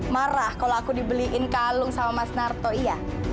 marah kalau aku dibeliin kalung sama mas narto iya